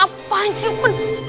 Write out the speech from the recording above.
apaan sih ofen